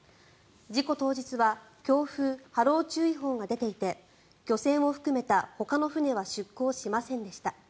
事故当日は強風・波浪注意報が出ていて漁船を含めたほかの船は出航しませんでした。